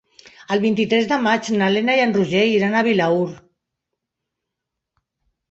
El vint-i-tres de maig na Lena i en Roger iran a Vilaür.